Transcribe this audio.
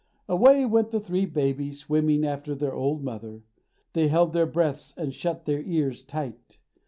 Away went the three babies swimming after the old mother. They held their breaths, and shut their ears tight.